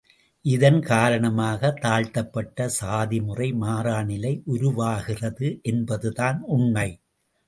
இதன் காரணமாக தாழ்த்தப்பட்ட சாதிமுறை மாறாநிலை உருவாகிறது என்பதுதான் உண்மை.